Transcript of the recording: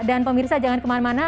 dan pemirsa jangan kemana mana